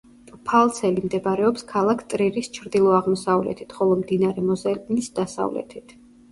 პფალცელი მდებარეობს ქალაქ ტრირის ჩრდილოაღმოსავლეთით, ხოლო მდინარე მოზელის დასავლეთით.